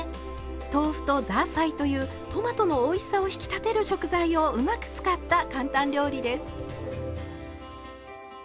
豆腐とザーサイというトマトのおいしさを引き立てる食材をうまく使った簡単料理です。